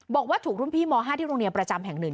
บอกว่าถูกรุ่นพี่ม๕ที่โรงเรียนประจำแห่ง๑